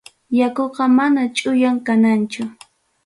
Yakuqa mana chuyam kananchu.